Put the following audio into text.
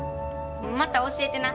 また教えてな。